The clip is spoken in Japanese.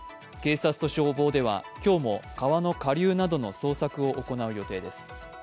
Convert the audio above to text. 警察と消防では今日も川の下流などの捜索を行う予定です。